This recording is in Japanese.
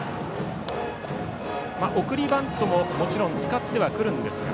送りバントも、もちろん使ってはくるんですが